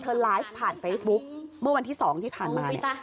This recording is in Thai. ไลฟ์ผ่านเฟซบุ๊กเมื่อวันที่๒ที่ผ่านมาเนี่ย